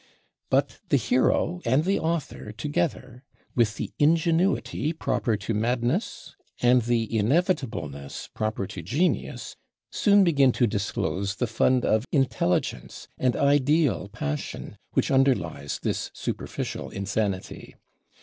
But the hero and the author together, with the ingenuity proper to madness and the inevitableness proper to genius, soon begin to disclose the fund of intelligence and ideal passion which underlies this superficial insanity.